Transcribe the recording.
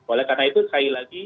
oleh karena itu sekali lagi